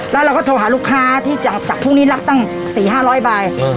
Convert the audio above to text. แล้วเราก็โทรหาลูกค้าที่จากพวกนี้รับตั้ง๔๕๐๐ใบ